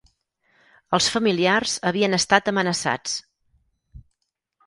Els familiars havien estat amenaçats